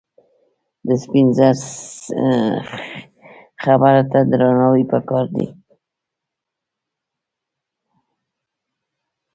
د سپینسرې خبره ته درناوی پکار دی.